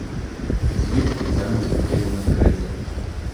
Звідки ця несподівана криза?